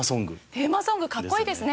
テーマソングかっこいいですね